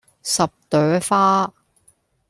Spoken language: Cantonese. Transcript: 十朵花